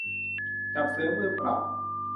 จับเสือมือเปล่า